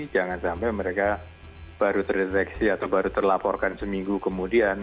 jangan sampai mereka baru terdeteksi atau baru terlaporkan seminggu kemudian